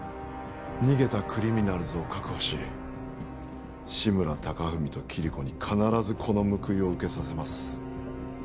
逃げたクリミナルズを確保し志村貴文とキリコに必ずこの報いを受けさせます